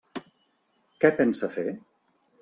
Què pensa fer?